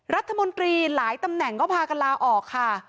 รัฐมนตรีหลายตำแหน่งก็พากันลาออกค่ะ